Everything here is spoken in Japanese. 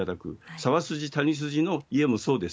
沢筋、谷筋の家もそうです。